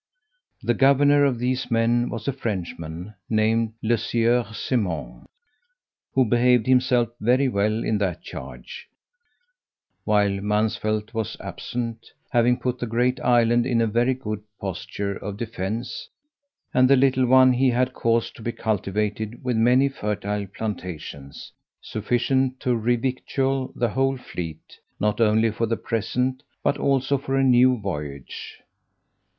The governor of these men was a Frenchman, named Le Sieur Simon, who behaved himself very well in that charge, while Mansvelt was absent, having put the great island in a very good posture of defence, and the little one he had caused to be cultivated with many fertile plantations, sufficient to revictual the whole fleet, not only for the present, but also for a new voyage.